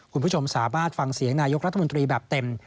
คุณผู้ชมสามารถฟังเสียงนายกรัฐมนตรีแบบเต็ม